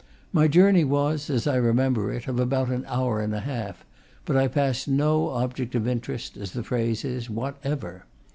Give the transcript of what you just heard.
My journey was (as I remember it) of about an hour and a half; but I passed no object of interest, as the phrase is, whatever.